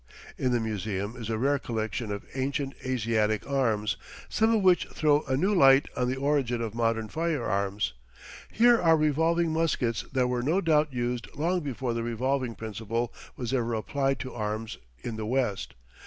In the museum is a rare collection of ancient Asiatic arms, some of which throw a new light on the origin of modern firearms. Here are revolving muskets that were no doubt used long before the revolving principle was ever applied to arms in the West.